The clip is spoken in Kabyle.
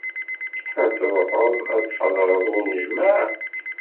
Ad truḥeḍ ad tḥedreḍ i unejmaε?